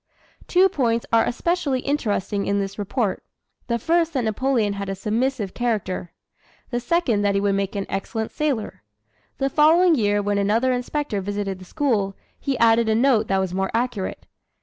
Two points are especially interesting in this report the first that Napoleon had a "submissive character"; the second that he would make "an excellent sailor." The following year when another inspector visited the school, he added a note that was more accurate.